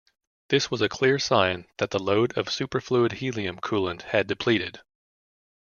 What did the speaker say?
This was a clear sign that the load of superfluid helium coolant had depleted.